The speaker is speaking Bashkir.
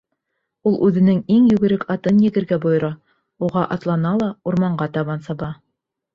Ул үҙенең иң йүгерек атын егергә бойора, уға атлана ла урманға табан саба.